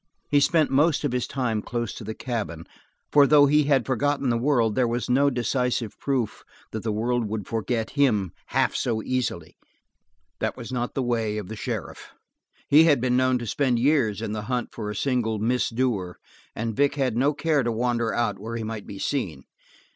He spent most of his time close to the cabin, for though he had forgotten the world there was no decisive proof that the world would forget him half so easily; that was not the way of the sheriff. He had been known to spend years in the hunt for a single misdoer and Vic had no care to wander out where he might be seen.